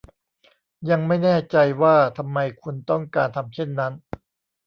ยังไม่แน่ใจว่าทำไมคุณต้องการทำเช่นนั้น